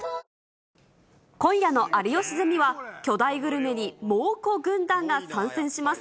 今夜の有吉ゼミは、巨大グルメに猛虎軍団が参戦します。